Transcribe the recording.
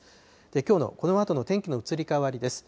きょうのこのあとの天気の移り変わりです。